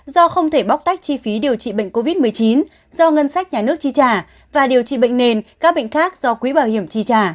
do không thể bóc tách chi phí điều trị bệnh covid một mươi chín do ngân sách nhà nước chi trả và điều trị bệnh nền các bệnh khác do quỹ bảo hiểm chi trả